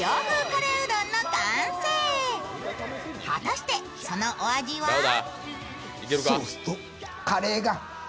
果たして、そのお味は？